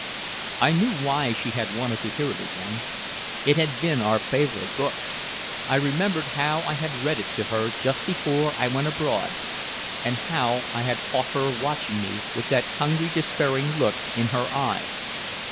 I knew why she had wanted to hear it again. It had been our favorite book. I remembered how I had read it to her just before I went abroad, and how I had caught her watching me with that hungry despairing look in her eyes.